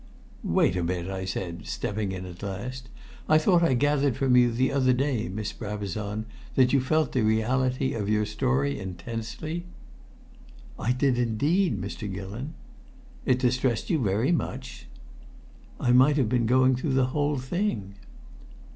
"Wait a bit!" said I, stepping in at last. "I thought I gathered from you the other day, Miss Brabazon, that you felt the reality of your story intensely?" "I did indeed, Mr. Gillon." "It distressed you very much?" "I might have been going through the whole thing."